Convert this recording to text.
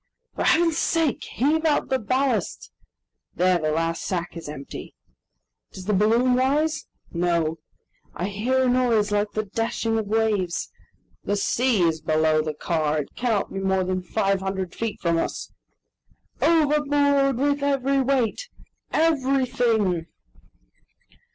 "For Heaven's sake heave out the ballast!" "There! the last sack is empty!" "Does the balloon rise?" "No!" "I hear a noise like the dashing of waves. The sea is below the car! It cannot be more than 500 feet from us!" "Overboard with every weight! ... everything!"